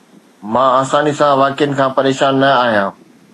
مان آساني سان واقعن کان پريشان نه آهيان